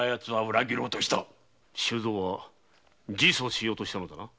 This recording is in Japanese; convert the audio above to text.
周蔵は自訴しようとしたのだな。